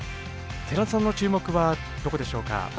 寺田さんの注目はどこでしょうか？